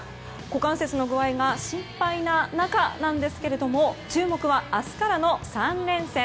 股関節の具合が心配な中なんですけど注目は、明日からの３連戦。